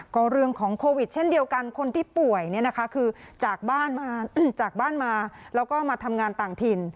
ก็เรื่องของโควิดเช่นเดียวกันคนที่ป่วยเนี่ยนะคะคือจากบ้านมาจากบ้านมาแล้วก็มาทำงานต่างถิ่น